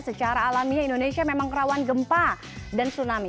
secara alami indonesia memang kerauan gempa dan tsunami